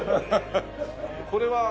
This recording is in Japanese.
これは？